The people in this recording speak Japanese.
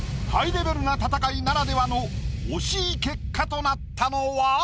ハイレベルな戦いならではの惜しい結果となったのは？